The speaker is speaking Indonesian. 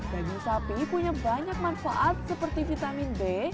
daging sapi punya banyak manfaat seperti vitamin b